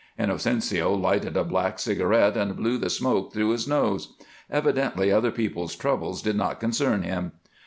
Inocencio lighted a black cigarette and blew the smoke through his nose. Evidently other people's troubles did not concern him.